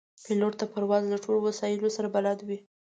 پیلوټ د پرواز له ټولو وسایلو سره بلد وي.